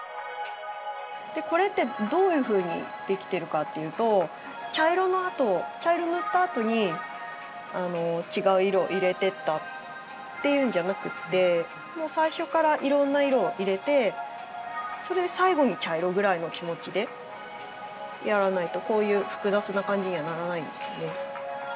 これってどういうふうにできてるかっていうと茶色塗ったあとに違う色を入れてったっていうんじゃなくって最初からいろんな色を入れて最後に茶色ぐらいの気持ちでやらないとこういう複雑な感じにはならないんですよね。